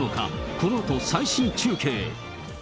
このあと、最新中継。